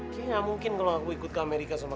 kayaknya gak mungkin kalo aku ikut ke amerika sama kamu